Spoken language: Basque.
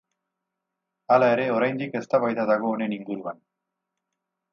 Hala ere oraindik eztabaida dago honen inguruan.